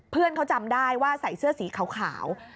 เพื่อนเขาจำได้ว่าใส่เสื้อสีขาว